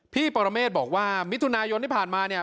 ปรเมฆบอกว่ามิถุนายนที่ผ่านมาเนี่ย